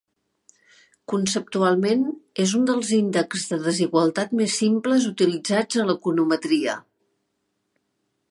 Conceptualment és un dels índexs de desigualtat més simples utilitzats a l'econometria.